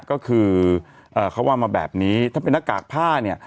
ก็คือเขาว่ามาแบบนี้ถ้าเป็นหน้ากากผ้าเนี่ย